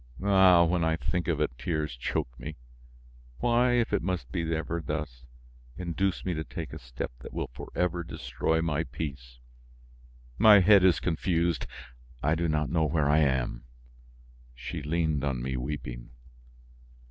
Ah! when I think of it, tears choke me. Why, if it must ever be thus, induce me to take a step that will forever destroy my peace? My head is confused, I do not know where I am!" She leaned on me weeping.